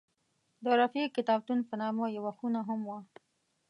د رفیع کتابتون په نامه یوه خونه هم وه.